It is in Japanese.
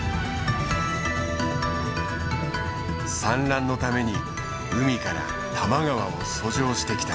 産卵のために海から多摩川を遡上してきた。